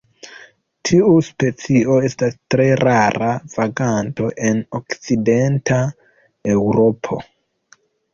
Tiu specio estas tre rara vaganto en okcidenta Eŭropo.